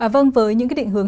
vâng với những cái định hướng